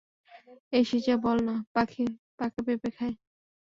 এ শীজা, বল না, পাখি পাকা পেঁপে খায়।